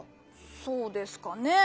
そうですかねぇ？